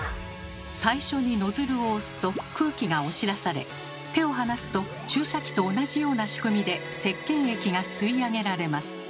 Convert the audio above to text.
最初にノズルを押すと空気が押し出され手を離すと注射器と同じような仕組みでせっけん液が吸い上げられます。